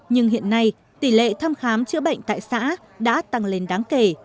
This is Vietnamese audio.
nhưng hiện nay tỷ lệ thăm khám chữa bệnh tại xã đã tăng lên đáng kể